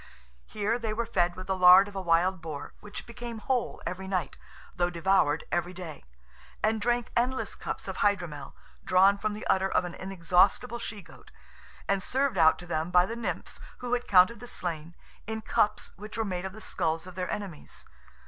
Here they were fed with the lard of a wild boar, which became whole every night, though devoured every day, and drank endless cups of hydromel, drawn from the udder of an inexhaustible she goat, and served out to them by the Nymphs, who had counted the slain, in cups which were made of the skulls of their enemies.